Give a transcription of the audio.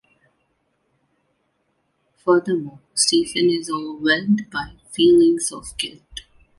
Furthermore, Stephen is overwhelmed by feelings of guilt.